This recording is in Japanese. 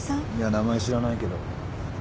名前知らないけど。